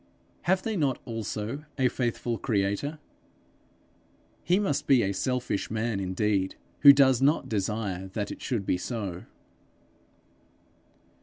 Have they not also a faithful creator? He must be a selfish man indeed who does not desire that it should be so.